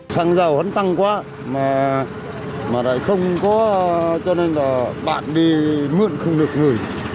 xăng dầu hắn tăng quá mà lại không có cho nên là bạn đi mượn không được người